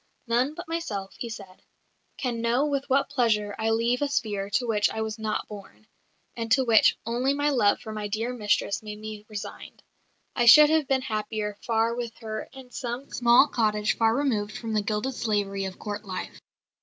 "None but myself," he said, "can know with what pleasure I leave a sphere to which I was not born, and to which only my love for my dear mistress made me resigned. I should have been happier far with her in some small cottage far removed from the gilded slavery of Court life."